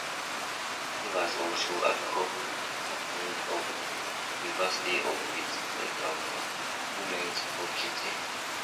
She was also a co-captain of the University of Minnesota Gophers women's hockey team.